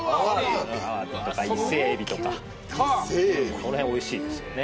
アワビとか伊勢エビとかこの辺おいしいですよね。